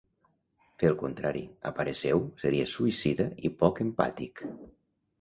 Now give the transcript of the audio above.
Fer el contrari, a parer seu, seria ‘suïcida’ i poc ‘empàtic’.